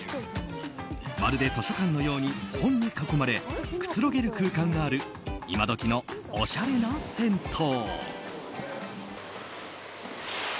まるで図書館のように本に囲まれくつろげる空間がある今どきのおしゃれな銭湯。